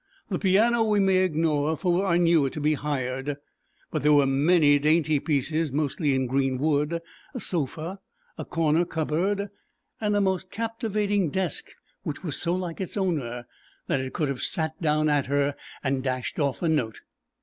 The piano we may ignore, for I knew it to be hired, but there were many dainty pieces, mostly in green wood, a sofa, a corner cupboard, and a most captivating desk, which was so like its owner that it could have sat down at her and dashed off a note.